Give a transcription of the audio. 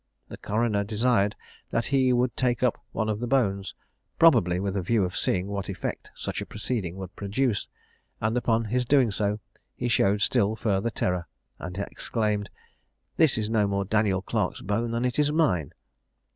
The coroner desired that he would take up one of the bones, probably with a view of seeing what effect such a proceeding would produce; and upon his doing so, he showed still further terror, and exclaimed, "This is no more Daniel Clarke's bone than it is mine!"